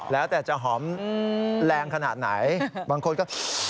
แล้วแต่จะหอมแรงขนาดไหนบางคนก็